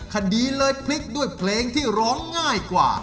คดีเลยพลิกด้วยเพลงที่ร้องง่ายกว่า